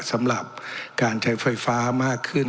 สำหรับการใช้ไฟฟ้ามากขึ้น